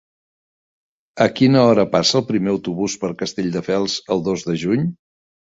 A quina hora passa el primer autobús per Castelldefels el dos de juny?